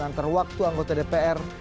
antar waktu anggota dpr